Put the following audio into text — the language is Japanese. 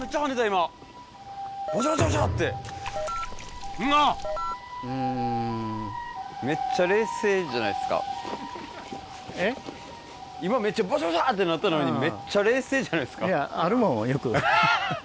今めっちゃバシャバシャってなったのにめっちゃ冷静じゃないですか。